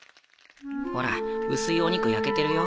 ほら薄いお肉焼けてるよ。